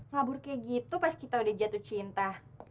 ngabur kayak gitu pas kita udah jatuh cinta